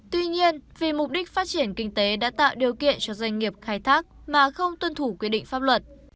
tuy nhiên vì mục đích phát triển kinh tế đã tạo điều kiện cho doanh nghiệp khai thác mà không tuân thủ quy định pháp luật